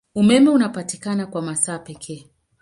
Umeme unapatikana kwa masaa pekee.